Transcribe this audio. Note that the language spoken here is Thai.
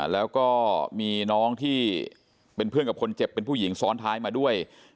แล้วก็มีน้องที่เป็นเพื่อนกับคนเจ็บเป็นผู้หญิงซ้อนท้ายมาด้วย